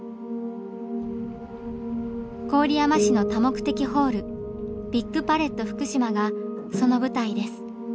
郡山市の多目的ホール「ビッグパレットふくしま」がその舞台です。